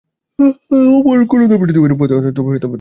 অপর কোন ধর্ম যদি ঐরূপ পন্থা অনুসরণ করে, তবে তাহারও একই দশা হইবে।